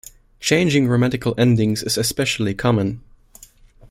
Changing grammatical endings is especially common.